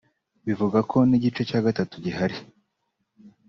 bivuga ko n'igice cya gatatu gihari